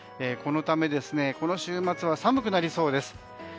このため、この週末は寒くなりそうです。